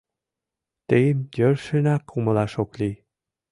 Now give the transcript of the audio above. Тыйым йӧршынак умылаш ок лий...